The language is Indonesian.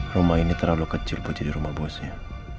rumah ini terlalu kecil buat jadi rumah bosnya